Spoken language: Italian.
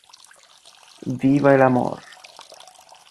Viva el amor!